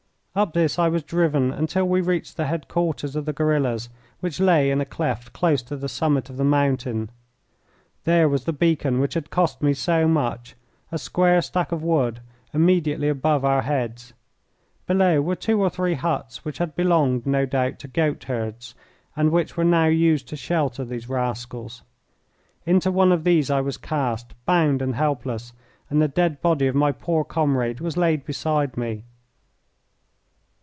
Up this I was driven until we reached the headquarters of the guerillas, which lay in a cleft close to the summit of the mountain. There was the beacon which had cost me so much, a square stack of wood, immediately above our heads. Below were two or three huts which had belonged, no doubt, to goatherds, and which were now used to shelter these rascals. Into one of these I was cast, bound and helpless, and the dead body of my poor comrade was laid beside me.